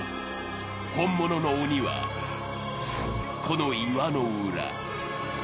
本物の鬼は、この岩の裏。